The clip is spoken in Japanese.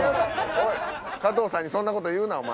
おい加藤さんにそんなこと言うなお前。